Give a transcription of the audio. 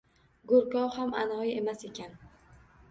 Goʻrkov ham anoyi emas ekan.